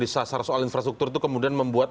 disasar soal infrastruktur itu kemudian membuat